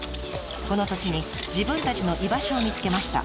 この土地に自分たちの居場所を見つけました。